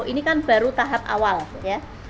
ini kan baru tahap awal ya